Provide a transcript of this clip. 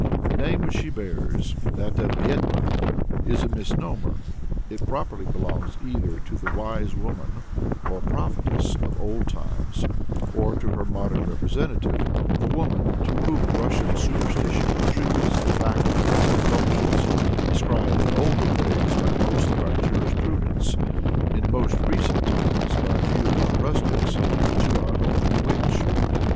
The name which she bears that of Vyed'ma is a misnomer; it properly belongs either to the "wise woman," or prophetess, of old times, or to her modern representative, the woman to whom Russian superstition attributes the faculties and functions ascribed in olden days by most of our jurisprudents, in more recent times by a few of our rustics, to our own witch.